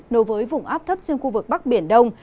nối với vùng áp thấp trên khu vực bắc biển đông